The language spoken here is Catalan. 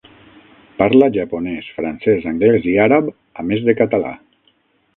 Parla japonès, francès, anglès i àrab, a més de català.